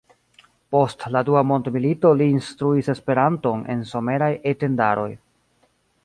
Post la dua mondmilito li instruis Esperanton en someraj E-tendaroj.